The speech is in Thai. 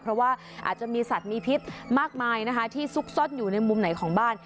เพราะว่าอาจจะมีสัตว์มีพิษมากมายนะคะที่ซุกซ่อนอยู่ในมุมไหนของบ้าน